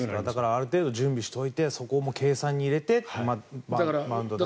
ある程度準備しておいてそこも計算に入れてマウンドに先に立ちましょう。